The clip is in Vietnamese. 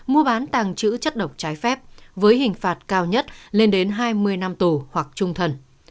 mua bán tàng trữ chất độc trái phép với hình phạt cao nhất lên đến hai mươi năm tù hoặc trung thần